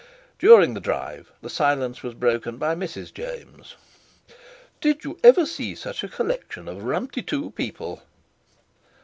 During the drive the silence was broken by Mrs. James. "Did you ever see such a collection of rumty too people?"